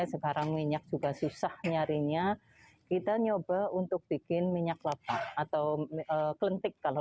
sekarang minyak juga susah nyarinya kita nyoba untuk bikin minyak lapak atau klentik kalau